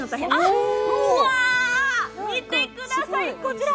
うわ、見てください、こちら！